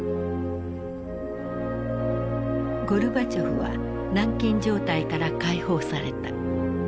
ゴルバチョフは軟禁状態から解放された。